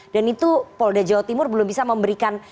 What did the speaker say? dan itu polda jawa timur belum bisa memberikan